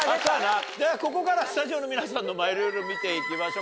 ここからはスタジオの皆さんのマイルール見ていきましょう。